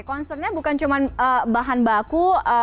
concernnya bukan cuma bahan baku